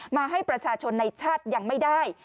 มาให้ประชาชนในชาติยังไม่ได้